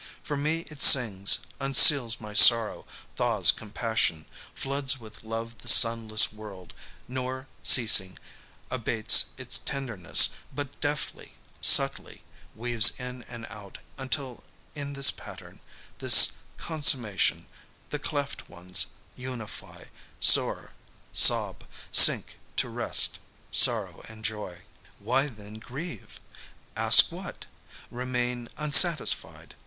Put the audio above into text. For me it sings, unseals my sorrow, thaws compassion, floods with love the sunless world, nor, ceasing, abates its tenderness but deftly, subtly, weaves in and out until in this pattern, this consummation, the cleft ones unify; soar, sob, sink to rest, sorrow and joy. Why then grieve? Ask what? Remain unsatisfied?